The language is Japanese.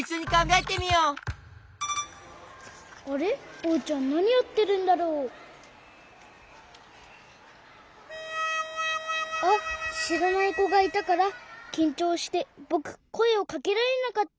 おうちゃんなにやってるんだろう？あっしらないこがいたからきんちょうしてぼくこえをかけられなかった。